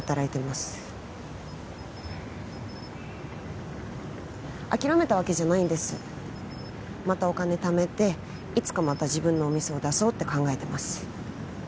ふーん諦めたわけじゃないんですまたお金ためていつかまた自分のお店を出そうって考えてます